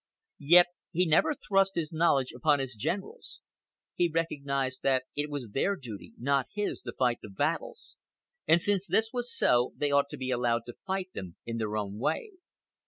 Yet he never thrust his knowledge upon his generals. He recognized that it was their duty, not his, to fight the battles, and since this was so, they ought to be allowed to fight them in their own way.